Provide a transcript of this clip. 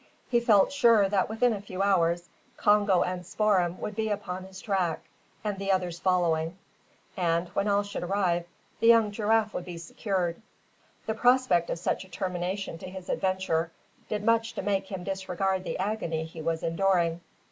He felt sure that within a few hours Congo and Spoor'em would be upon his track, with the others following; and, when all should arrive, the young giraffe would be secured. The prospect of such a termination to his adventure did much to make him disregard the agony he was enduring.